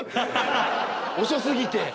遅すぎて。